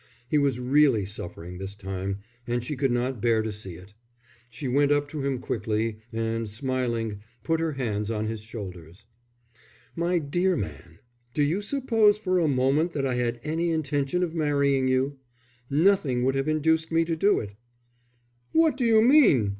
He was really suffering this time, and she could not bear to see it. She went up to him quickly, and smiling, put her hands on his shoulders. "My dear man, do you suppose for a moment that I had any intention of marrying you? Nothing would have induced me to do it." "What do you mean?"